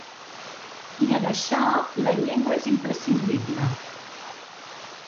I en això la llengua és imprescindible.